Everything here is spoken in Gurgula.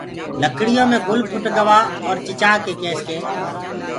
لڪڙيو مي گُل ڦُٽ گوآ اورَ چِچآڪي ڪيس ڪي